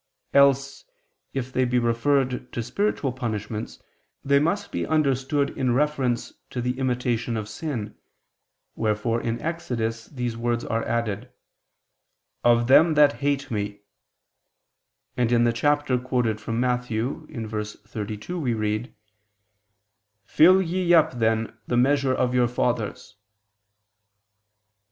Else, if they be referred to spiritual punishments, they must be understood in reference to the imitation of sin, wherefore in Exodus these words are added, "Of them that hate Me," and in the chapter quoted from Matthew (verse 32) we read: "Fill ye up then the measure of your fathers."